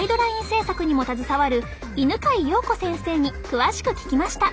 制作にも携わる犬飼洋子先生に詳しく聞きました。